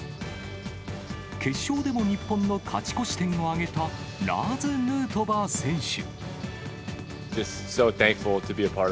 決勝でも日本の勝ち越し点を挙げた、ラーズ・ヌートバー選手。